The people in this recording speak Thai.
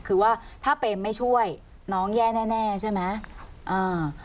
คือว่าถ้าเปมไม่ช่วยน้องแย่แน่แน่ใช่ไหมอ่า